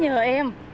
thì cô đã bảo vệ em